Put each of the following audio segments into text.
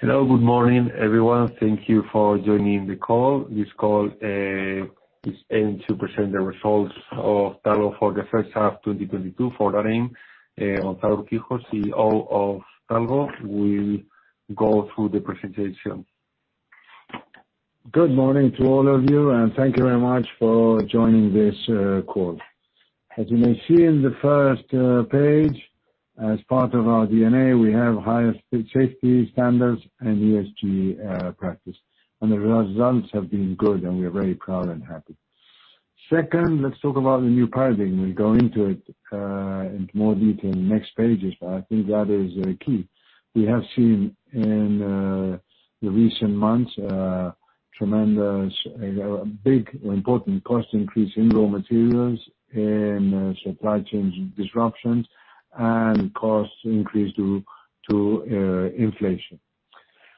Hello. Good morning, everyone. Thank you for joining the call. This call is aimed to present the results of Talgo for the first half, 2022. For that aim, Gonzalo Urquijo, CEO of Talgo will go through the presentation. Good morning to all of you, and thank you very much for joining this call. As you may see in the first page, as part of our DNA, we have highest safety standards and ESG practice. The results have been good, and we are very proud and happy. Second, let's talk about the new pricing. We'll go into it in more detail in next pages, but I think that is key. We have seen in the recent months tremendous big important cost increase in raw materials, in supply chain disruptions and costs increase due to inflation.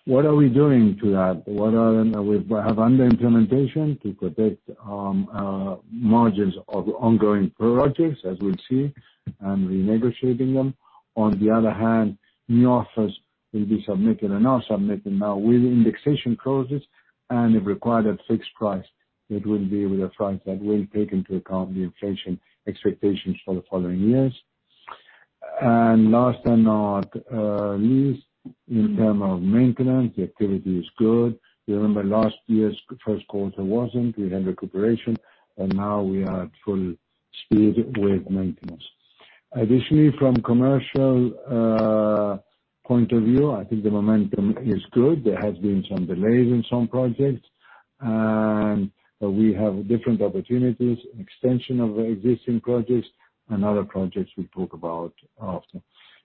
What are we doing to that? We have under implementation to protect margins of ongoing projects as we'll see and renegotiating them. On the other hand, new offers will be submitted and are submitted now with indexation clauses, and if required, at fixed price, it will be with a price that will take into account the inflation expectations for the following years. Last but not least, in terms of maintenance, the activity is good. You remember last year's first quarter wasn't. We had recuperation, and now we are at full speed with maintenance. Additionally, from commercial point of view, I think the momentum is good. There has been some delays in some projects, and we have different opportunities, extension of existing projects and other projects we talk about often.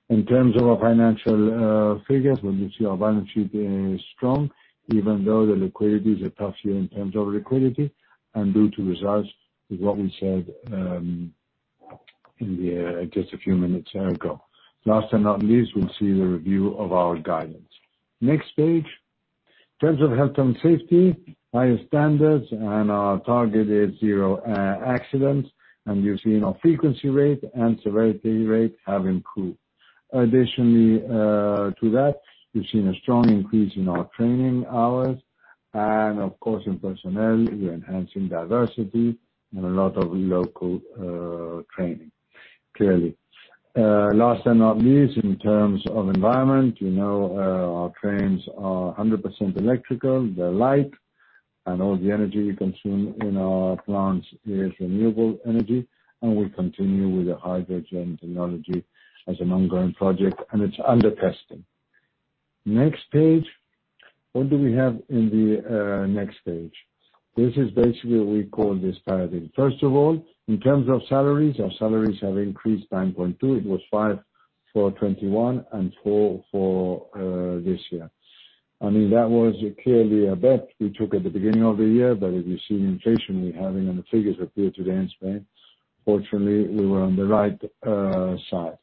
In terms of our financial figures, well, you see our balance sheet is strong, even though it's been a tough year in terms of liquidity and the results are what we said, in just a few minutes ago. Last and not least, we'll see the review of our guidance. Next page. In terms of health and safety, higher standards and our target is zero accidents, and you've seen our frequency rate and severity rate have improved. Additionally, to that, we've seen a strong increase in our training hours and of course, in personnel. We're enhancing diversity and a lot of local training, clearly. Last and not least, in terms of environment, you know, our trains are 100% electrical. They're light, and all the energy we consume in our plants is renewable energy, and we continue with the hydrogen technology as an ongoing project, and it's under testing. Next page. What do we have in the next page? This is basically we call this paradigm. First of all, in terms of salaries, our salaries have increased 9.2%. It was 5% for 2021 and 4% for this year. I mean, that was clearly a bet we took at the beginning of the year, but if you see the inflation we're having and the figures appear today in Spain, fortunately, we were on the right side.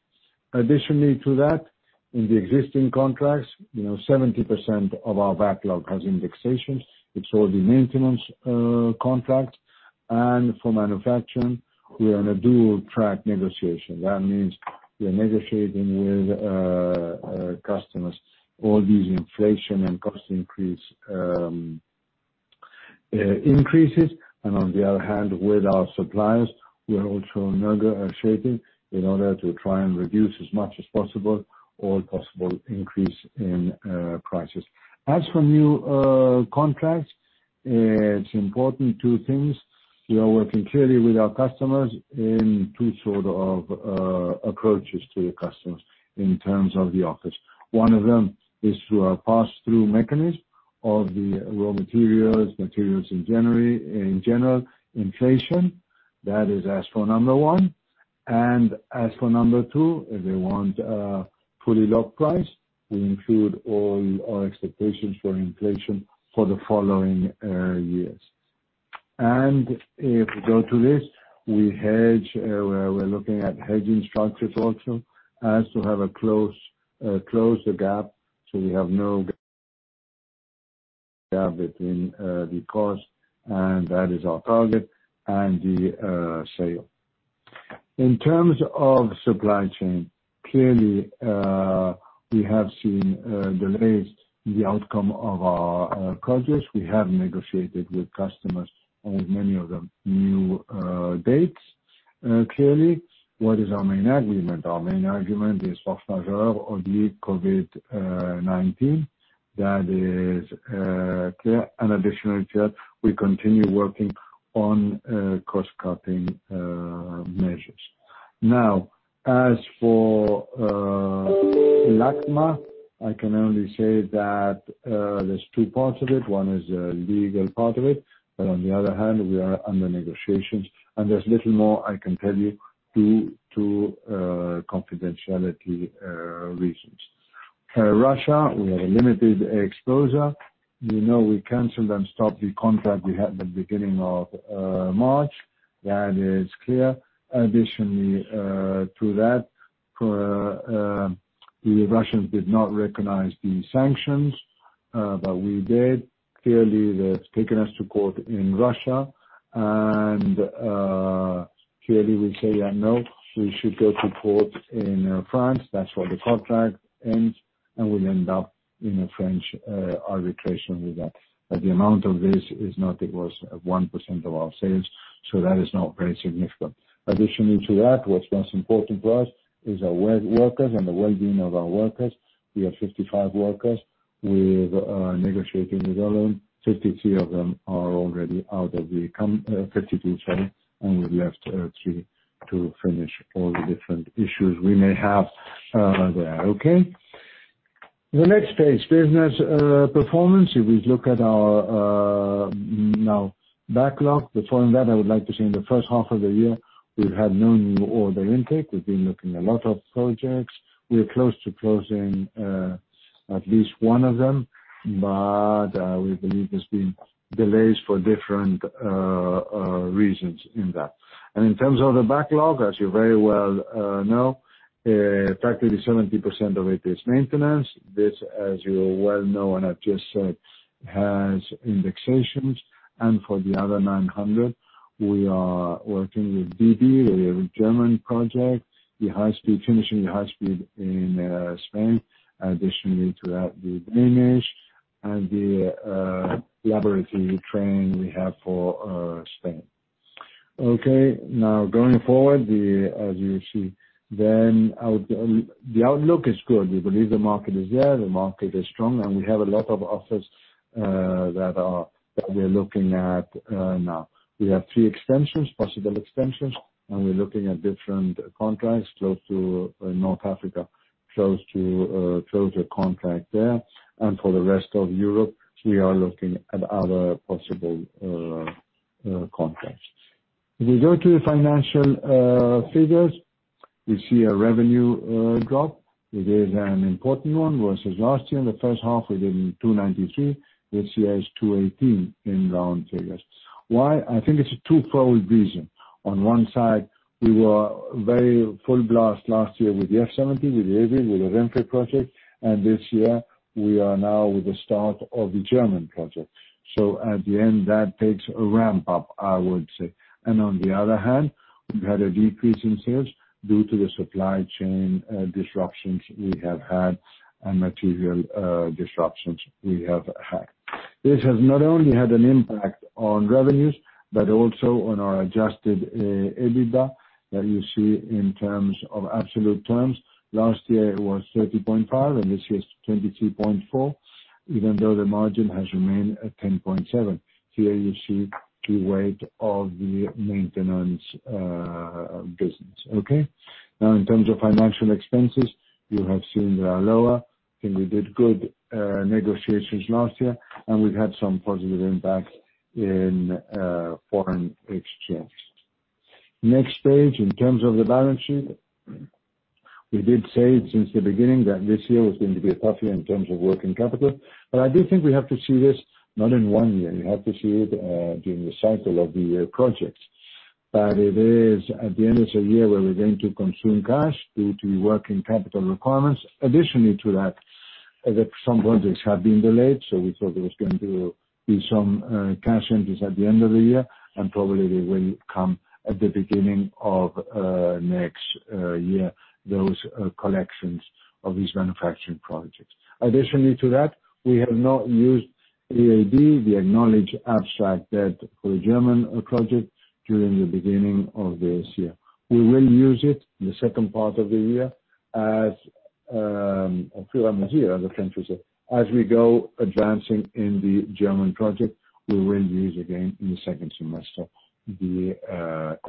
Additionally to that, in the existing contracts, you know, 70% of our backlog has indexations. It's all the maintenance contract. For manufacturing, we are on a dual track negotiation. That means we are negotiating with customers all these inflation and cost increases. On the other hand, with our suppliers, we are also negotiating in order to try and reduce as much as possible the possible increase in prices. As for new contracts, it's important two things. We are working clearly with our customers in two sort of approaches to the customers in terms of the offers. One of them is through a pass-through mechanism of the raw materials in general, inflation. That is as for number one. As for number two, if they want fully locked price, we include all our expectations for inflation for the following years. If we go to this, we hedge, we're looking at hedging structures also as to have a close the gap so we have no gap between the cost, and that is our target, and the sale. In terms of supply chain, clearly, we have seen delays in the outcome of our closures. We have negotiated with customers on many of them, new dates, clearly. What is our main argument? Our main argument is force majeure or the COVID-19. That is clear. An additional chart, we continue working on cost cutting measures. Now, as for LACMTA, I can only say that there's two parts of it. One is a legal part of it, but on the other hand, we are under negotiations, and there's little more I can tell you due to confidentiality reasons. Russia, we have a limited exposure. You know, we canceled and stopped the contract we had at the beginning of March. That is clear. Additionally to that, the Russians did not recognize the sanctions that we did. Clearly, they've taken us to court in Russia, and clearly we say that, "No, we should go to court in France. That's where the contract ends," and we end up in a French arbitration with that. But the amount of this is not. It was 1% of our sales, so that is not very significant. Additionally to that, what's most important to us is our workers and the well-being of our workers. We have 55 workers. We've negotiating with all of them. 52 of them are already out of the company, sorry, and we've left three to finish all the different issues we may have there. Okay? The next page, business performance. If we look at our now backlog, before that, I would like to say in the first half of the year, we've had no new order intake. We've been looking at a lot of projects. We're close to closing at least one of them, but we believe there's been delays for different reasons in that. In terms of the backlog, as you very well know, practically 70% of it is maintenance. This, as you well know, and I've just said, has indexations. For the other 900, we are working with DB, the German project, the high speed, finishing the high speed in Spain. Additionally to that, the Danish and the laboratory train we have for Spain. Okay. Now, going forward, as you see, the outlook is good. We believe the market is there, the market is strong, and we have a lot of offers that we're looking at now. We have three possible extensions, and we're looking at different contracts close to North Africa, close to closing a contract there. For the rest of Europe, we are looking at other possible contracts. If we go to the financial figures, we see a revenue drop. It is an important one versus last year. In the first half, we did 293 million. This year is 218 in round figures. Why? I think it's a twofold reason. On one side, we were very full blast last year with the F 70, with the AVE, with the Renfe project, and this year we are now with the start of the German project. At the end, that takes a ramp up, I would say. On the other hand, we've had a decrease in sales due to the supply chain disruptions we have had and material disruptions we have had. This has not only had an impact on revenues, but also on our adjusted EBITDA that you see in terms of absolute terms. Last year it was 30.5, and this year it's 23.4, even though the margin has remained at 10.7%. Here you see the weight of the maintenance business. Okay? Now, in terms of financial expenses, you have seen they are lower, and we did good negotiations last year, and we've had some positive impact in foreign exchange. Next page, in terms of the balance sheet, we did say since the beginning that this year was going to be a tough year in terms of working capital, but I do think we have to see this not in one year. We have to see it during the cycle of the projects. But it is, at the end, it's a year where we're going to consume cash due to working capital requirements. Additionally to that, some budgets have been delayed, so we thought there was going to be some cash entries at the end of the year, and probably they will come at the beginning of next year, those collections of these manufacturing projects. Additionally to that, we have not used AAD, the acknowledged advance debt for the German project during the beginning of this year. We will use it in the second part of the year as a few months here, as I can truly say. As we go advancing in the German project, we will use again in the second semester the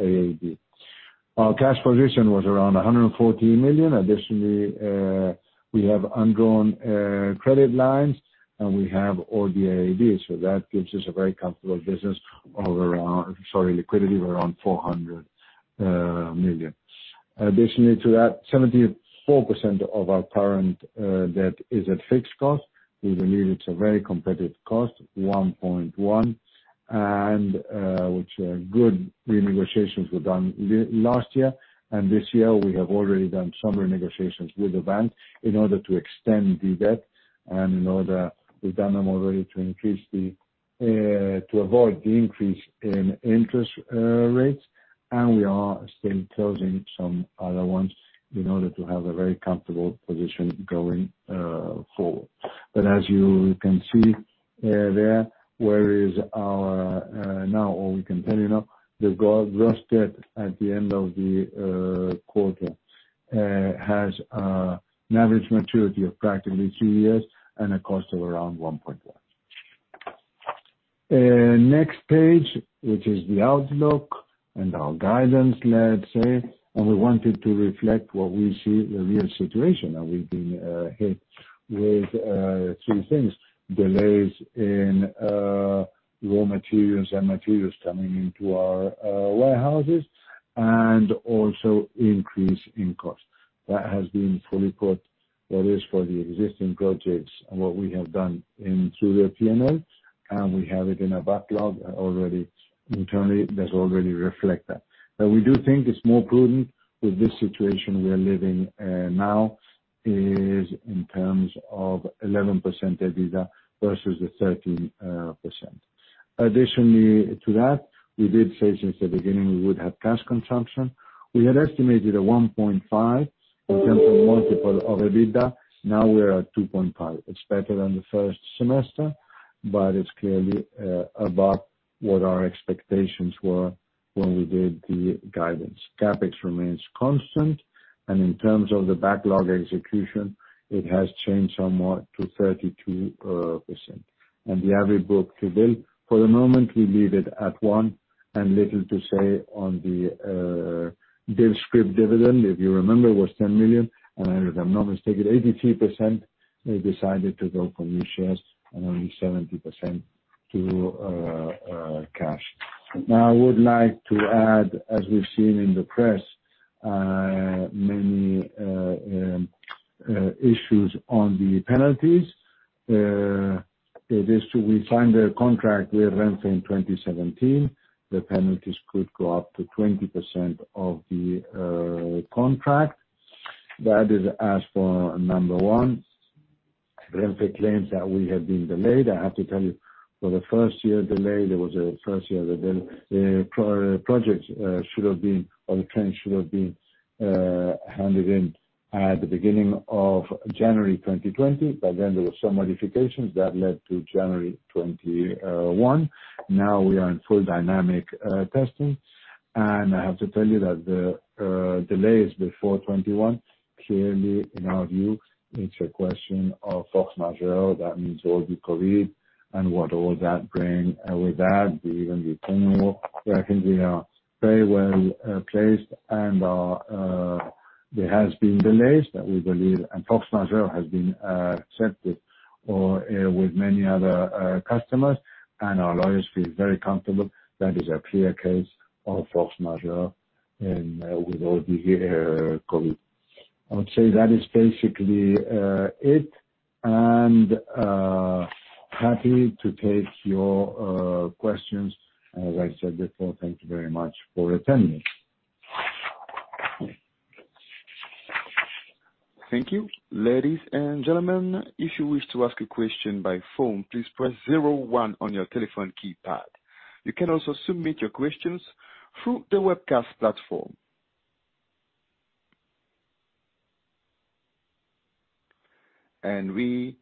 AAD. Our cash position was around 114 million. Additionally, we have undrawn credit lines, and we have all the AADs. That gives us a very comfortable liquidity of around 400 million. Additionally to that, 74% of our current debt is at fixed cost. We believe it's a very competitive cost, 1.1%, and which good renegotiations were done last year. This year we have already done some renegotiations with the bank in order to extend the debt and in order, we've done them already to avoid the increase in interest rates, and we are still closing some other ones in order to have a very comfortable position going forward. As you can see, we can tell you now, the gross debt at the end of the quarter has a average maturity of practically two years and a cost of around 1.1. Next page, which is the outlook and our guidance, let's say. We wanted to reflect what we see the real situation. We've been hit with two things, delays in raw materials and materials coming into our warehouses and also increase in cost. That has been fully put, that is for the existing projects and what we have done through the P&L, and we have it in our backlog already internally that already reflect that. We do think it's more prudent with this situation we are living now is in terms of 11% EBITDA versus the 13%. Additionally to that, we did say since the beginning, we would have cash consumption. We had estimated a 1.5 in terms of multiple of EBITDA. Now we're at 2.5. It's better than the first semester, but it's clearly above what our expectations were when we did the guidance. CapEx remains constant, and in terms of the backlog execution, it has changed somewhat to 32%. And the average book-to-bill, for the moment, we leave it at one and little to say on the scrip dividend. If you remember, it was 10 million, and if I'm not mistaken, 83% have decided to go for new shares and only 70% to cash. Now, I would like to add, as we've seen in the press, many issues on the penalties. We signed a contract with Renfe in 2017. The penalties could go up to 20% of the contract. That is asked for, number one. Renfe claims that we have been delayed. I have to tell you, for the first year delay, there was a first year delay. The project should have been, or the train should have been, handed in at the beginning of January 2020. By then, there were some modifications that led to January 2021. Now we are in full dynamic testing. I have to tell you that the delays before 2021, clearly, in our view, it's a question of force majeure. That means all the COVID and what all that bring. With that, we even become more. I think we are very well placed, and there has been delays that we believe and force majeure has been accepted with many other customers. Our lawyers feel very comfortable. That is a clear case of force majeure and with all the COVID. I would say that is basically it, and happy to take your questions. As I said before, thank you very much for attending. Thank you. Ladies and gentlemen, if you wish to ask a question by phone, please press zero one on your telephone keypad. You can also submit your questions through the webcast platform. We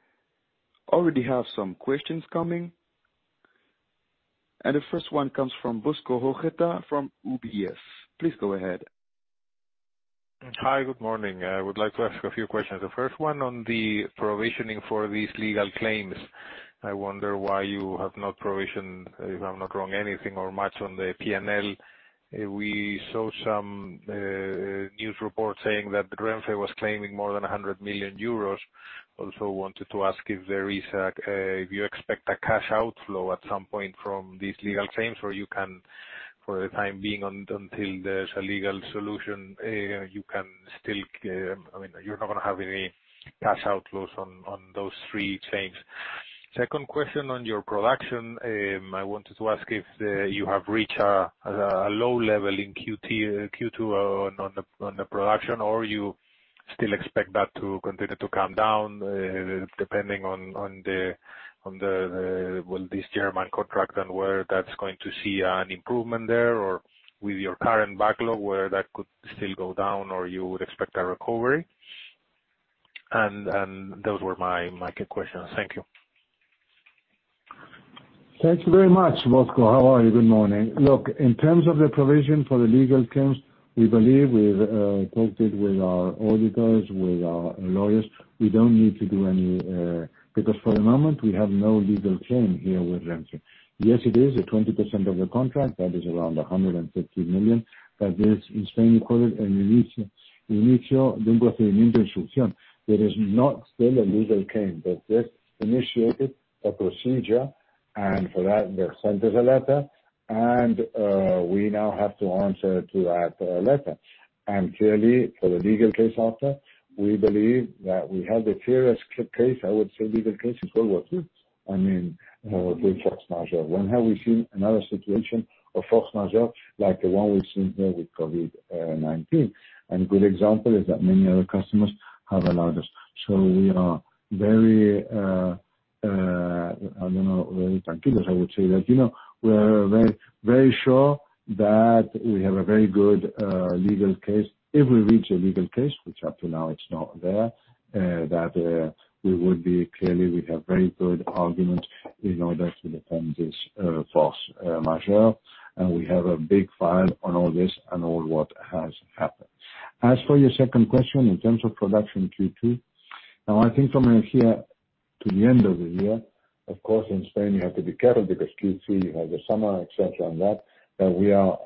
already have some questions coming, and the first one comes from Bosco Ojeda from UBS. Please go ahead. Hi, good morning. I would like to ask a few questions. The first one on the provisioning for these legal claims. I wonder why you have not provisioned, if I'm not wrong, anything or much on the P&L. We saw some news report saying that Renfe was claiming more than 100 million euros. Also wanted to ask if there is a, if you expect a cash outflow at some point from these legal claims, or you can for the time being until there's a legal solution, you can still, I mean, you're not gonna have any cash outflows on those three claims. Second question on your production. I wanted to ask if you have reached a low level in Q1, Q2 on the production, or you still expect that to continue to come down, depending on, well, this German contract and whether that's going to see an improvement there, or with your current backlog, whether that could still go down or you would expect a recovery. Those were my questions. Thank you. Thank you very much, Bosco. How are you? Good morning. Look, in terms of the provision for the legal claims, we believe we've talked it with our auditors, with our lawyers. We don't need to do any, because for the moment, we have no legal claim here with Renfe. Yes, it is 20% of the contract that is around 150 million, but this in Spain is called an inicio de procedimiento de ejecución. There is not still a legal claim, but they've initiated a procedure, and for that they've sent us a letter, and we now have to answer to that letter. Clearly, for the legal case after, we believe that we have the clearest case, I would say, legal case in the world. I mean, with force majeure. When have we seen another situation of force majeure like the one we've seen here with COVID-19? Good example is that many other customers have allowed us. We are very, I don't know, very tranquilos, I would say that. You know, we're very, very sure that we have a very good legal case. If we reach a legal case, which up to now it's not there, that we would clearly have very good argument in order to defend this force majeure. We have a big file on all this and all what has happened. As for your second question, in terms of production Q2, now I think from here to the end of the year, of course, in Spain, you have to be careful because Q3 you have the summer, et cetera, and that. We are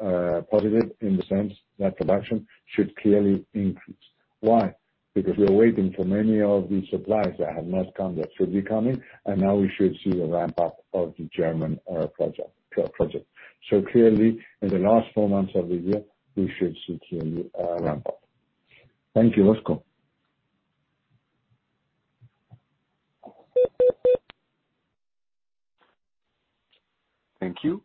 positive in the sense that production should clearly increase. Why? Because we are waiting for many of these suppliers that have not come, that should be coming, and now we should see the ramp-up of the German project. Clearly, in the last four months of the year, we should see clearly a ramp-up. Thank you, Bosco. Thank you.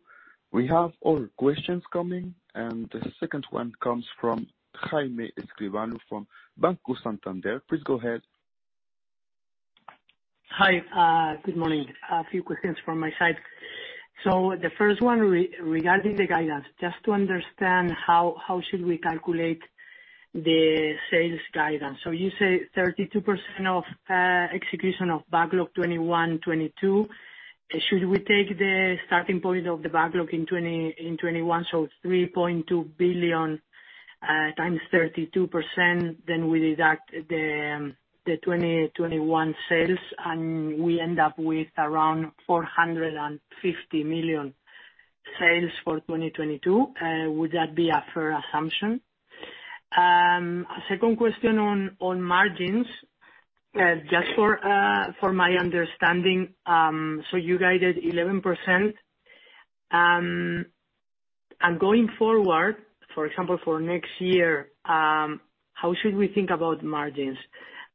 We have other questions coming, and the second one comes from Jaime Escribano from Banco Santander. Please go ahead. Hi, good morning. A few quick things from my side. The first one regarding the guidance, just to understand how should we calculate the sales guidance. You say 32% of execution of backlog 2021, 2022. Should we take the starting point of the backlog in 2020, in 2021, so it's 3.2 billion times 32%, then we deduct the 2021 sales, and we end up with around 450 million sales for 2022. Would that be a fair assumption? A second question on margins. Just for my understanding, so you guided 11%. And going forward, for example, for next year, how should we think about margins?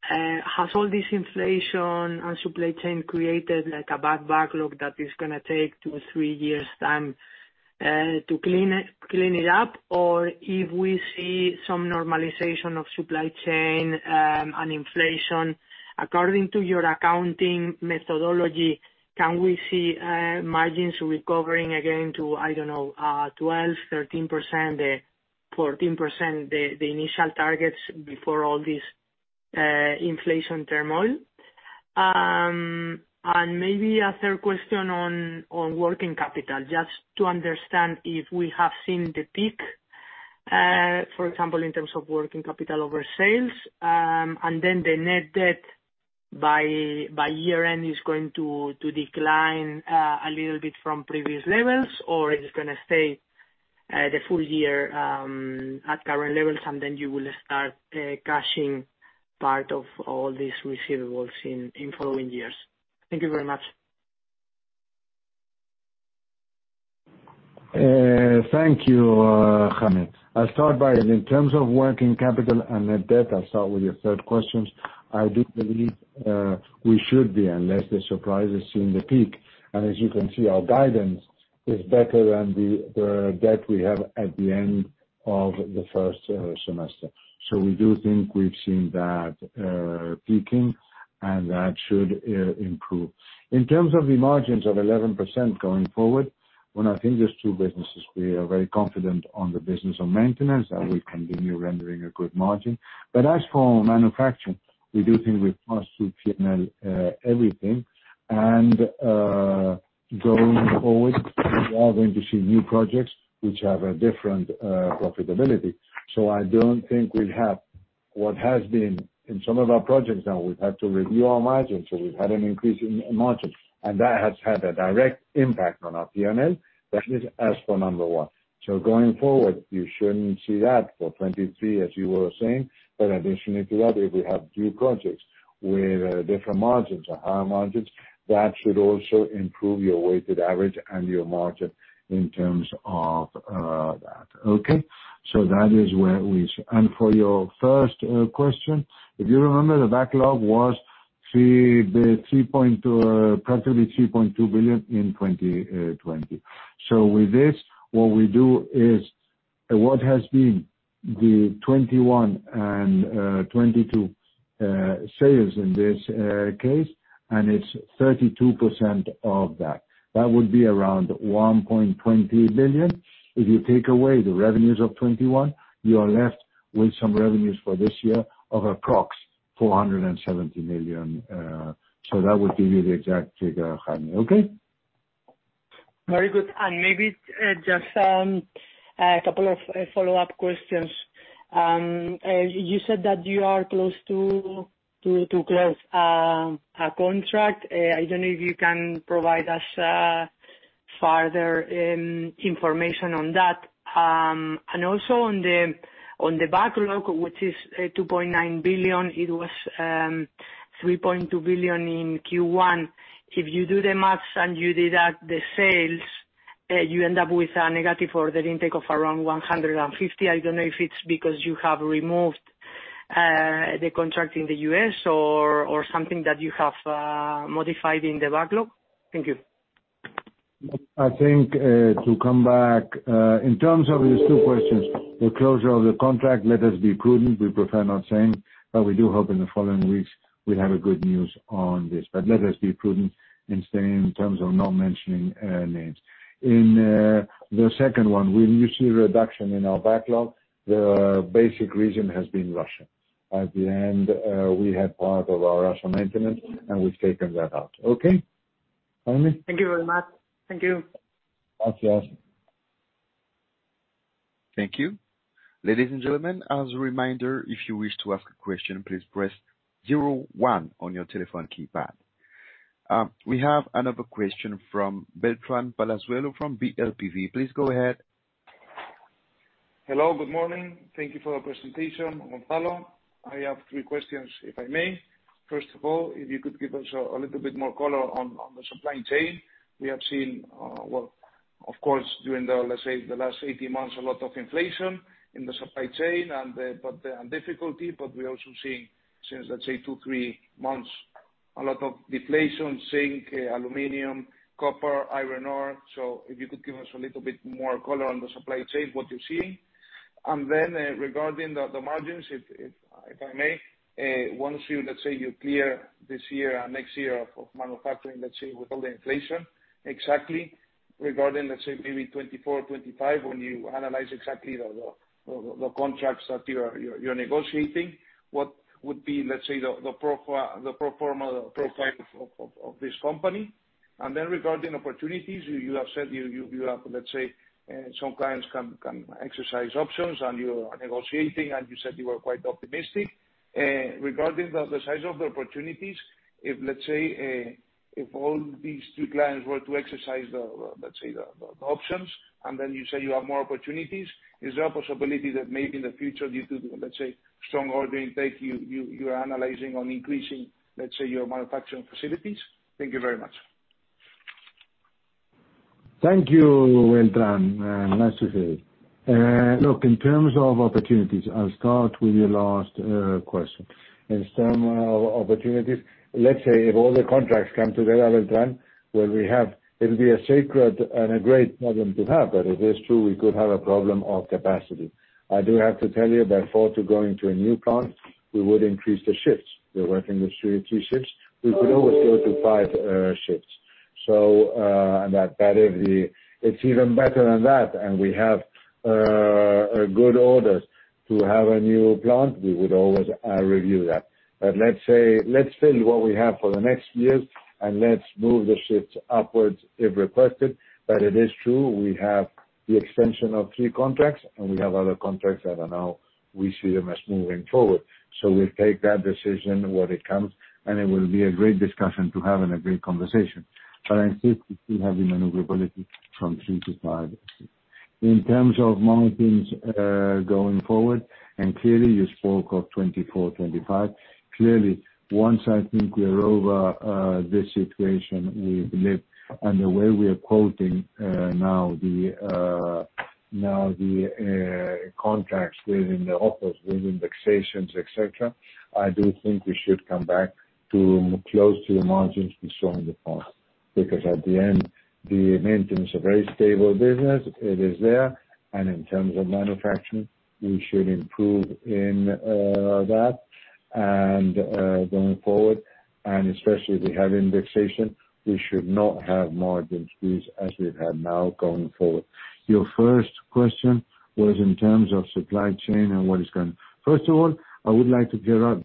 Has all this inflation and supply chain created like a bad backlog that is gonna take two, three years time to clean it up? Or if we see some normalization of supply chain and inflation, according to your accounting methodology, can we see margins recovering again to, I don't know, 12%, 13%, 14%, the initial targets before all this inflation turmoil? Maybe a third question on working capital, just to understand if we have seen the peak, for example, in terms of working capital over sales, and then the net debt by year-end is going to decline a little bit from previous levels, or is it gonna stay the full year at current levels, and then you will start cashing part of all these receivables in following years. Thank you very much. Thank you, Jaime. I'll start with your third question in terms of working capital and net debt. I do believe we should be, unless there's surprises, seeing the peak. As you can see, our guidance is better than the debt we have at the end of the first semester. We do think we've seen that peaking, and that should improve. In terms of the margins of 11% going forward, well I think there's two businesses. We are very confident on the business of maintenance. That will continue rendering a good margin. As for manufacturing, we do think we pass through P&L everything. Going forward, we are going to see new projects which have a different profitability. I don't think we'll have what has been in some of our projects now, we've had to review our margins, so we've had an increase in margins. That has had a direct impact on our P&L. That is as for number one. Going forward, you shouldn't see that for 2023, as you were saying. Additionally to that, if we have new projects with different margins or higher margins, that should also improve your weighted average and your margin in terms of that. Okay? That is where we. For your first question, if you remember, the backlog was three point two, practically 3.2 billion in 2020. With this, what we do is what has been the 2021 and 2022 sales in this case, and it's 32% of that. That would be around 1.20 billion. If you take away the revenues of 2021, you are left with some revenues for this year of approx 470 million. That would give you the exact figure, Jaime. Okay? Very good. Maybe just a couple of follow-up questions. You said that you are close to close a contract. I don't know if you can provide us further information on that. Also on the backlog, which is 2.9 billion, it was 3.2 billion in Q1. If you do the math and you deduct the sales, you end up with a negative order intake of around 150 million. I don't know if it's because you have removed the contract in the U.S. or something that you have modified in the backlog. Thank you. I think, to come back, in terms of these two questions, the closure of the contract, let us be prudent. We prefer not saying, but we do hope in the following weeks we'll have a good news on this. Let us be prudent in staying in terms of not mentioning, names. In, the second one, when you see reduction in our backlog, the basic reason has been Russia. At the end, we had part of our Russia maintenance, and we've taken that out. Okay. Jaime. Thank you very much. Thank you. Gracias. Thank you. Ladies and gentlemen, as a reminder, if you wish to ask a question, please press zero one on your telephone keypad. We have another question from Beltrán Palazuelo from DLTV. Please go ahead. Hello, good morning. Thank you for your presentation, Gonzalo. I have three questions, if I may. First of all, if you could give us a little bit more color on the supply chain. We have seen, well, of course, during the, let's say, the last 18 months, a lot of inflation in the supply chain and but difficulty. We're also seeing since, let's say two to three months, a lot of deflation, zinc, aluminum, copper, iron ore. If you could give us a little bit more color on the supply chain, what you're seeing. Regarding the margins, if I may, once you clear this year and next year of manufacturing with all the inflation, exactly regarding maybe 2024, 2025, when you analyze exactly the contracts that you're negotiating, what would be the pro forma profile of this company? Regarding opportunities, you have said you have some clients can exercise options and you are negotiating, and you said you were quite optimistic. Regarding the size of the opportunities, if let's say all these two clients were to exercise the let's say the options, and then you say you have more opportunities, is there a possibility that maybe in the future you do the let's say strong order intake, you are analyzing on increasing let's say your manufacturing facilities? Thank you very much. Thank you, Beltrán. Nice to hear. Look, in terms of opportunities, I'll start with your last question. Let's say if all the contracts come together, Beltrán, well, we have. It'll be such a great problem to have, but it is true we could have a problem of capacity. I do have to tell you that to go into a new plant, we would increase the shifts. We're working with three shifts. We could always go to five shifts. It's even better than that, and we have a good orders. To have a new plant, we would always review that. Let's say, let's fill what we have for the next years, and let's move the shifts upwards if requested. It is true we have the extension of three contracts, and we have other contracts that are now we see them as moving forward. We take that decision when it comes, and it will be a great discussion to have and a great conversation. I insist we still have the maneuverability from three to five shifts. In terms of margins, going forward, and clearly you spoke of 2024, 2025. Clearly, once I think we are over this situation we live, and the way we are quoting now the contracts with the offers, with indexations, et cetera, I do think we should come back to close to the margins we saw in the past. Because at the end, the maintenance is a very stable business. It is there. In terms of manufacturing, we should improve in that. Going forward, and especially if we have indexation, we should not have margin squeeze as we have now going forward. Your first question was in terms of supply chain and what is going. First of all, I would like to clear up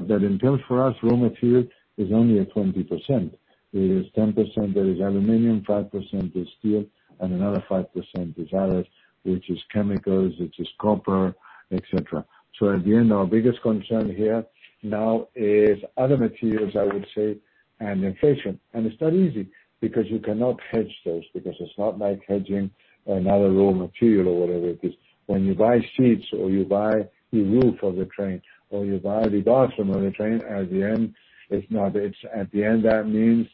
that in terms for us, raw material is only at 20%. It is 10% that is aluminum, 5% is steel, and another 5% is others, which is chemicals, which is copper, et cetera. So at the end, our biggest concern here now is other materials, I would say, and inflation. It's not easy because you cannot hedge those, because it's not like hedging another raw material or whatever. Because when you buy seats or you buy the roof of the train or you buy the bathroom of the train, at the end it's not. It's at the end that means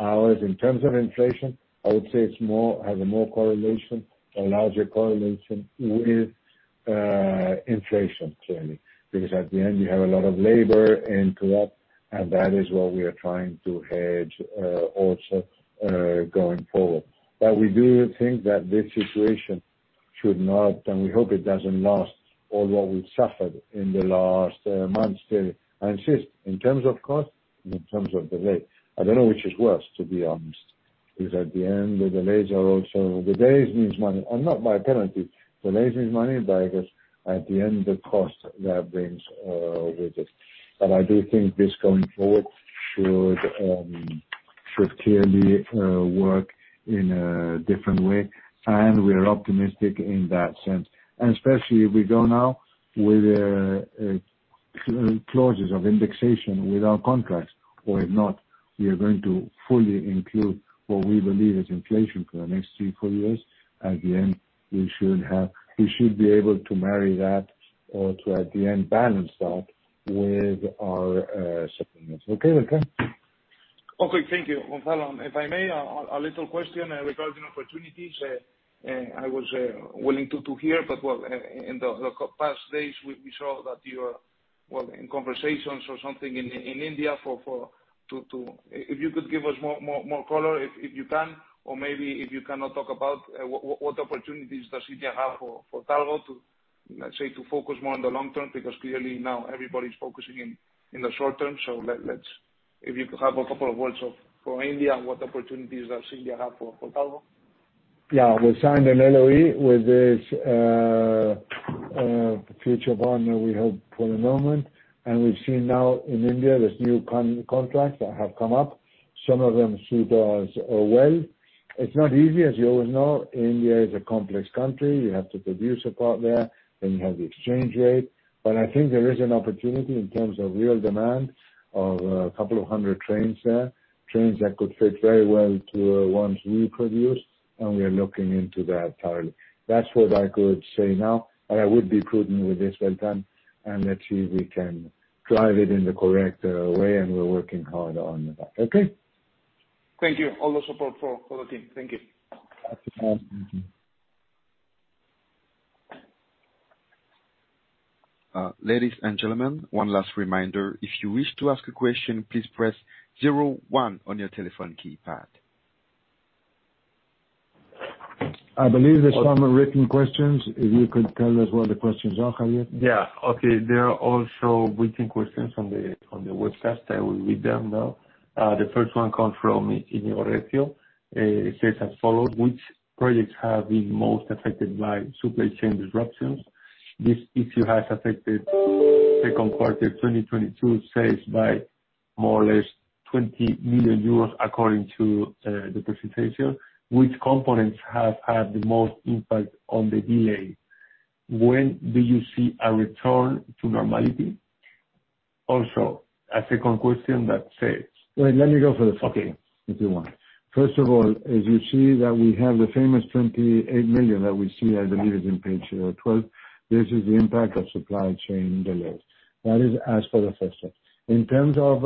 hours in terms of inflation. I would say it has a more correlation, a larger correlation with inflation clearly. Because at the end, you have a lot of labor into that, and that is what we are trying to hedge, also, going forward. We do think that this situation should not, and we hope it doesn't last all what we've suffered in the last months still. I insist, in terms of cost, in terms of delay, I don't know which is worse, to be honest. Because at the end, the delays are also. The days means money. Not by penalty. Delay means money, but I guess at the end, the cost that brings with it. I do think this going forward should clearly work in a different way, and we're optimistic in that sense. Especially if we go now with clauses of indexation with our contracts, or if not, we are going to fully include what we believe is inflation for the next three to four years. At the end, we should be able to marry that or to, at the end, balance that with our supplements. Okay, Beltrán? Okay. Thank you, Gonzalo. If I may, a little question regarding opportunities. I was willing to hear, but well, in the past days, we saw that you are well in conversations or something in India. If you could give us more color if you can, or maybe if you cannot talk about what opportunities does India have for Talgo to, let's say, to focus more on the long-term, because clearly now everybody's focusing in the short-term. If you could have a couple of words on India and what opportunities does India have for Talgo. Yeah. We signed an LOI with this future partner we have for the moment. We've seen now in India there's new contracts that have come up. Some of them suit us well. It's not easy. As you always know, India is a complex country. You have to produce a part there, then you have the exchange rate. I think there is an opportunity in terms of real demand of a couple of hundred trains there, trains that could fit very well to ones we produce, and we are looking into that thoroughly. That's what I could say now, but I would be prudent with this, Beltrán, and let's see if we can drive it in the correct way, and we're working hard on that. Okay? Thank you. All the support for the team. Thank you. Mm-hmm. Ladies and gentlemen, one last reminder: if you wish to ask a question, please press zero one on your telephone keypad. I believe there's some written questions, if you could tell us what the questions are, Javier. Yeah. Okay. There are also written questions on the webcast. I will read them now. The first one comes from Íñigo Recio. It says as follows: Which projects have been most affected by supply chain disruptions? This issue has affected second quarter 2022 sales by more or less 20 million euros, according to the presentation. Which components have had the most impact on the delay? When do you see a return to normality? Also, a second question that says- Wait, let me go first. Okay. If you want. First of all, as you see that we have the famous 28 million that we see, I believe it's in page 12. This is the impact of supply chain delays. That is as per the first one. In terms of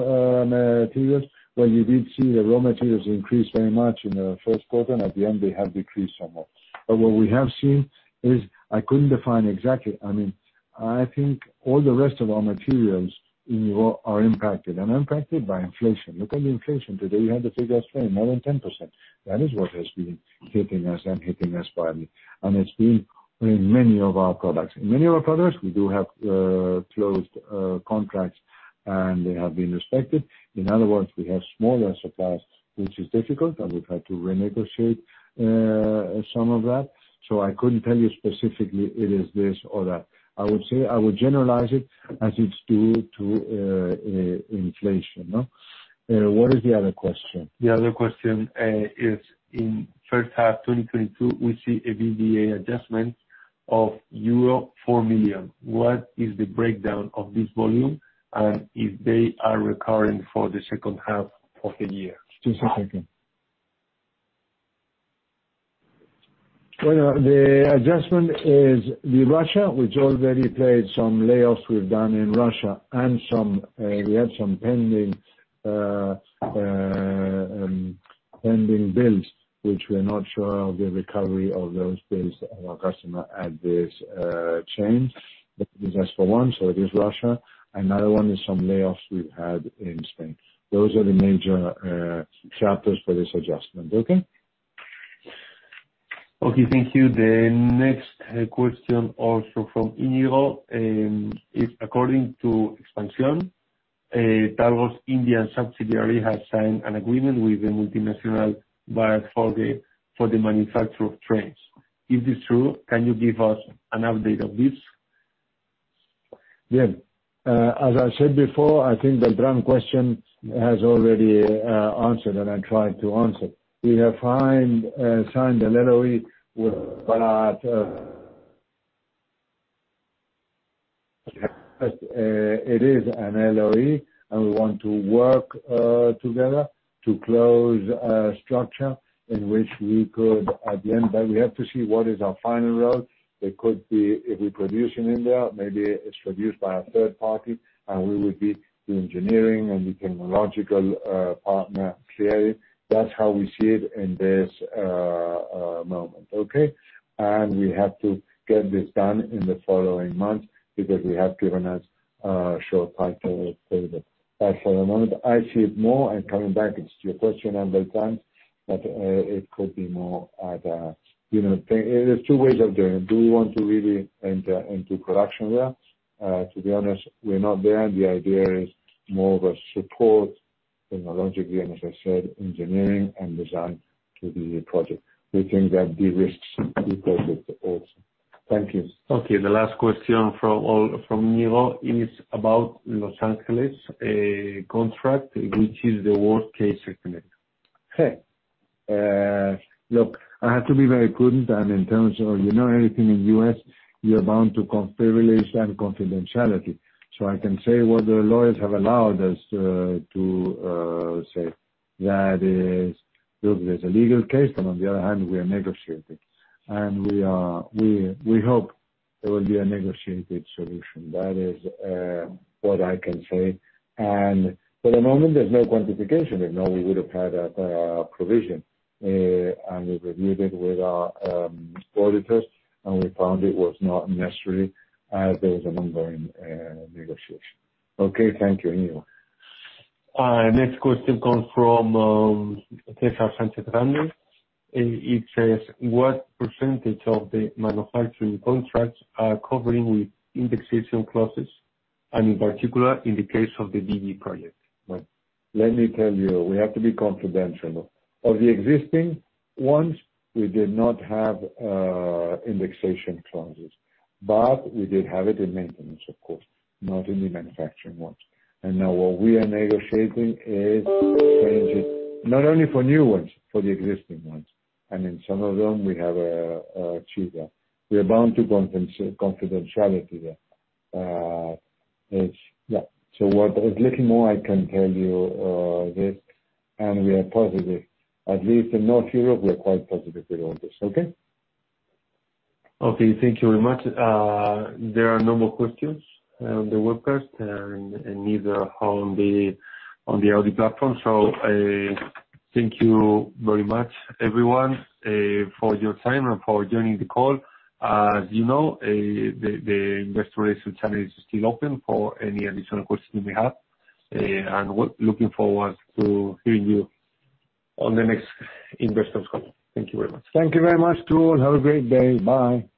materials, well, you did see the raw materials increased very much in the first quarter, and at the end they have decreased somewhat. But what we have seen is I couldn't define exactly. I mean, I think all the rest of our materials in the world are impacted, and impacted by inflation. Look at the inflation. Today, you have the figures saying more than 10%. That is what has been hitting us and hitting us badly. It's been in many of our products. In many of our products, we do have closed contracts, and they have been respected. In other words, we have smaller supplies, which is difficult, and we've had to renegotiate some of that. I couldn't tell you specifically it is this or that. I would say I would generalize it as it's due to inflation, no? What is the other question? The other question is: In first half 2022, we see an EBITDA adjustment of euro 4 million. What is the breakdown of this volume, and if they are recurring for the second half of the year? Just a second. Well, the adjustment is the Russia, which already played some layoffs we've done in Russia and we had some pending bills, which we're not sure of the recovery of those bills and our customer at this chain. That's for one, it is Russia. Another one is some layoffs we've had in Spain. Those are the major chapters for this adjustment. Okay? Okay, thank you. The next question also from Íñigo is, according to Expansión, Talgo's Indian subsidiary has signed an agreement with the multinational buyer for the manufacture of trains. Is this true? Can you give us an update of this? Yeah. As I said before, I think the India question has already answered and I tried to answer. We have signed an LOI with Bharat. It is an LOI, and we want to work together to close a structure in which we could at the end, but we have to see what is our final role. It could be if we produce in India, maybe it's produced by a third party, and we would be the engineering and the technological partner, clearly. That's how we see it in this moment. Okay? We have to get this done in the following months because we have given us short time for it. For the moment, I see it more, and coming back to your question on the time, that it could be more at, you know. There's two ways of doing it. Do we want to really enter into production there? To be honest, we're not there. The idea is more of a support technologically and, as I said, engineering and design to the project. We think that derisks the project also. Thank you. Okay. The last question from all, from Íñigo, is about Los Angeles, a contract which is the worst case scenario. Okay. Look, I have to be very prudent. In terms of, you know, everything in U.S., you're bound to confidentiality. I can say what the lawyers have allowed us to say. That is, look, there's a legal case, but on the other hand, we are negotiating. We hope there will be a negotiated solution. That is, what I can say. For the moment, there's no quantification. If not, we would have had a provision, and we reviewed it with our auditors, and we found it was not necessary as there is an ongoing negotiation. Okay. Thank you. Íñigo. Next question comes from César Sánchez-Ranu. It says: What percentage of the manufacturing contracts are covering with indexation clauses, and in particular in the case of the DB project? Let me tell you, we have to be confidential. Of the existing ones, we did not have indexation clauses, but we did have it in maintenance, of course, not in the manufacturing ones. Now what we are negotiating is changes, not only for new ones, for the existing ones. In some of them, we have achieved that. We are bound to confidentiality there. There's little more I can tell you, this, and we are positive. At least in North Europe, we are quite positive with all this. Okay? Okay, thank you very much. There are no more questions on the webcast and neither on the audio platform. Thank you very much, everyone, for your time and for joining the call. As you know, the investor relations channel is still open for any additional questions you may have. We're looking forward to hearing you on the next investors call. Thank you very much. Thank you very much to all. Have a great day. Bye.